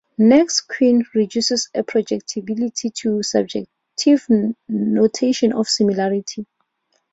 Next, Quine reduces projectibility to the subjective notion of "similarity".